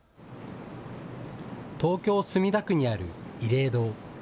東京・墨田区にある慰霊堂。